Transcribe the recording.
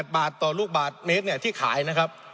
๑๐๙๘บาทต่อลูกบาทเมตรเนี่ยที่ขายนะครับ